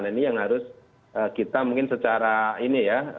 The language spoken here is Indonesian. nah ini yang harus kita mungkin secara ini ya